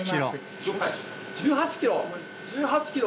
１８キロ。